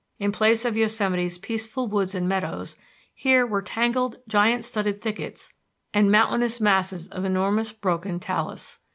In place of Yosemite's peaceful woods and meadows, here were tangled giant studded thickets and mountainous masses of enormous broken talus.